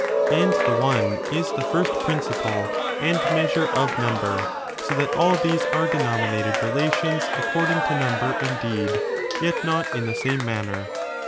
And the one is the first principle and measure of number ; so that all these are denominated relations according to number, indeed, yet not in the same manner.